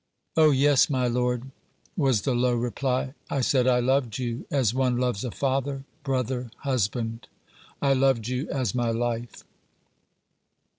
"Oh! yes, my lord," was the low reply. "I said I loved you as one loves a father, brother, husband I loved you as my life."